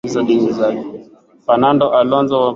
fernado alonzo kwa pointi ishirini na nne